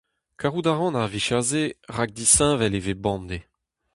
Karout a ran ar vicher-se rak disheñvel e vez bemdez.